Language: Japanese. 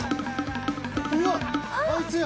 うわっあいつや。